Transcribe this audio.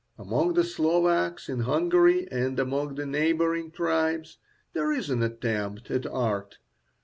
Among the Slovaks in Hungary, and among the neighbouring tribes, there is an attempt at art.